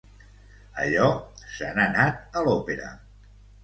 Allò se n'ha anat a l'òpera.